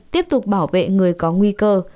tiếp tục bảo vệ người có nguy cơ